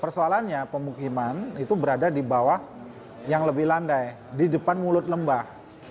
persoalannya pemukiman itu berada di bawah yang lebih landai di depan mulut lembah